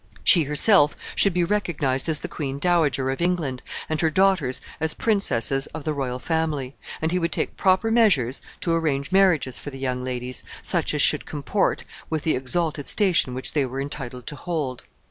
She herself should be recognized as the queen dowager of England, and her daughters as princesses of the royal family; and he would take proper measures to arrange marriages for the young ladies, such as should comport with the exalted station which they were entitled to hold.